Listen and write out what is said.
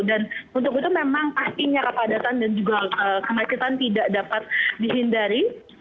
dan untuk itu memang pastinya kepadatan dan juga kemacetan tidak dapat dihindari